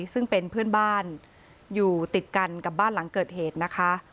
ซึ่งเป็นเพื่อนบ้านอยู่ติดกันกับบ้านหลังเกิดเหตุนะคะ